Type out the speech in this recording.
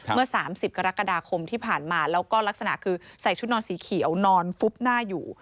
เมื่อ๓๐กรกฎาคมที่ผ่านมาแล้วก็ลักษณะคือใส่ชุดนอนสีเขียวนอนฟุบหน้าอยู่